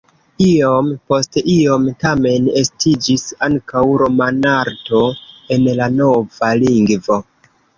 Iom post iom tamen estiĝis ankaŭ romanarto en la nova lingvo.